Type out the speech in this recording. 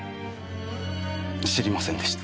知りませんでした。